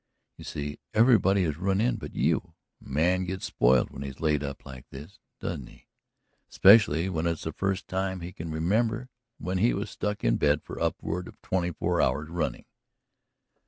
You see, everybody has run in but you. A man gets spoiled when he's laid up like this, doesn't he? Especially when it's the first time he can remember when he has stuck in bed for upward of twenty four hours running."